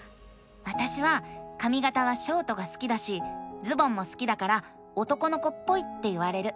わたしはかみがたはショートが好きだしズボンも好きだから男の子っぽいって言われる。